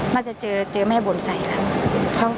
มันจะเจอแม่บ่นใส่ละ